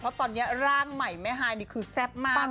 เพราะตอนนี้ร่างใหม่แม่ฮายนี่คือแซ่บมาก